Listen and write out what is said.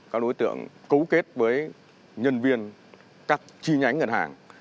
các đối tượng cấu kết với nhân viên các chi nhánh ngân hàng